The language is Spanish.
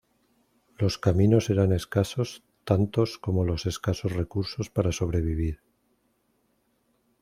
Los caminos eran escasos tantos como los escasos recursos para sobrevivir.